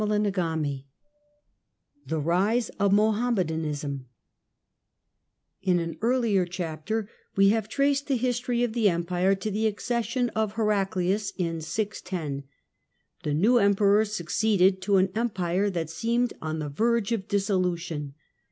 CHAPTEK VIII THE RISE OF MOHAMMEDANISM TN an earlier chapter we have traced the history of Heraclius the Empire to the accession of Heraclius in 610. The new Eniperor succeeded to an Empire that seemed on the verge of dissolution.